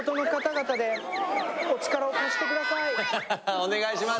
お願いします